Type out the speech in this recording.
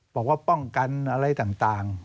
บอกว่าป้องกันอะไรต่าง